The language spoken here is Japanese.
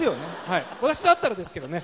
私だったらですけどね。